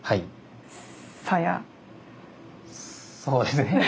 そうですね。